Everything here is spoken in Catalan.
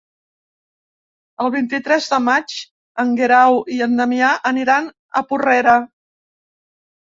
El vint-i-tres de maig en Guerau i en Damià aniran a Porrera.